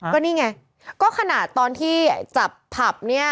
ก็นี่ไงก็ขนาดตอนที่จับผับเนี่ย